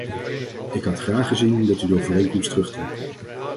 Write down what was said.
Ik had graag gezien dat u de overeenkomst terugtrok.